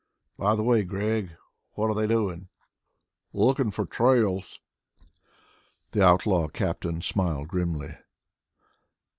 By the way, Gregg, what are they doing?" "Looking for trails." The outlaw captain smiled grimly.